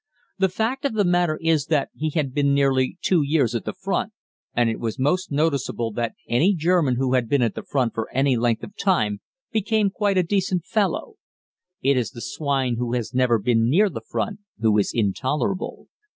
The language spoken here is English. The fact of the matter is that he had been nearly two years at the front, and it was most noticeable that any German who had been at the front for any length of time became quite a decent fellow. It is the swine who has never been near the front who is intolerable.